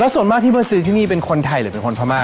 ส่วนมากที่มาซื้อที่นี่เป็นคนไทยหรือเป็นคนพม่า